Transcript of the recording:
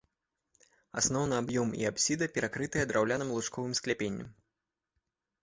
Асноўны аб'ём і апсіда перакрыты драўляным лучковым скляпеннем.